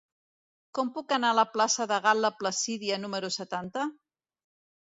Com puc anar a la plaça de Gal·la Placídia número setanta?